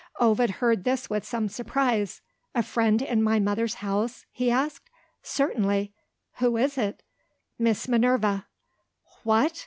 Ovid heard this with some surprise. "A friend in my mother's house?" he asked. "Certainly!" "Who is it?" "Miss Minerva." "What!"